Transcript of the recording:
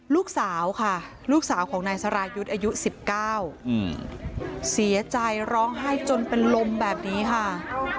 ลูกสาวค่ะลูกสาวของนายสรายุทธ์อายุ๑๙เสียใจร้องไห้จนเป็นลมแบบนี้ค่ะ